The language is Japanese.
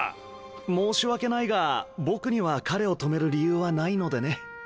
申し訳ないが僕には彼を止める理由はないのでね。